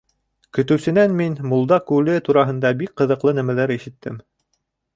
Көтөүсенән мин Мулдаҡ күле тураһында бик ҡыҙыҡлы нәмәләр ишеттем.